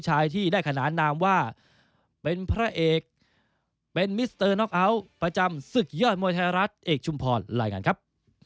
ชายที่ได้ขนานนามว่าเป็นพระเอกเป็นมิสเตอร์น็อกเอาท์ประจำศึกยอดมวยไทยรัฐเอกชุมพรรายงานครับ